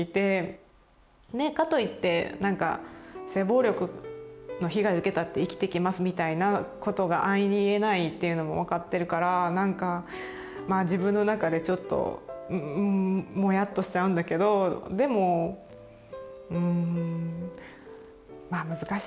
かと言って「性暴力の被害受けたって生きていけます」みたいなことが安易に言えないっていうのも分かってるからまあ自分の中でちょっともやっとしちゃうんだけどでもんまあ難しいです。